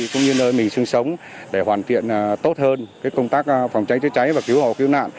cũng như nơi mình sinh sống để hoàn thiện tốt hơn công tác phòng cháy chữa cháy và cứu hộ cứu nạn